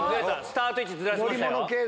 スタート位置ずらしましたよ。